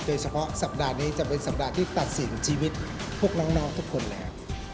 สัปดาห์นี้จะเป็นสัปดาห์ที่ตัดสินชีวิตพวกน้องทุกคนแล้ว